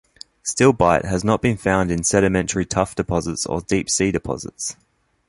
Stilbite has not been found in sedimentary tuff deposits or deep-sea deposits.